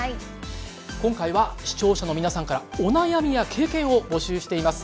今回は視聴者の皆さんからお悩みや経験を募集しています。